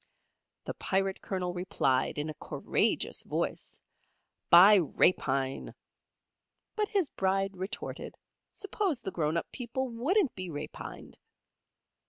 The Pirate Colonel replied, in a courageous voice, "By rapine!" But his Bride retorted, suppose the grown up people wouldn't be rapined?